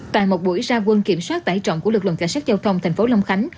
tại một buổi ra quân kiểm soát tải trọng của lực lượng cảnh sát giao thông thành phố long khánh